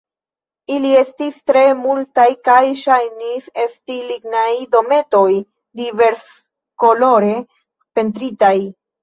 Ili estis tre multaj kaj ŝajnis esti lignaj dometoj diverskolore pentritaj.